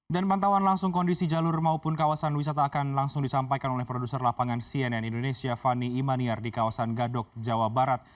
dan pantauan langsung kondisi jalur maupun kawasan wisata akan langsung disampaikan oleh produser lapangan cnn indonesia fani imaniar di kawasan gadok jawa barat